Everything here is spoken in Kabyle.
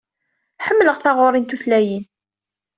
Ḥemmleɣ taɣuri n tutlayin.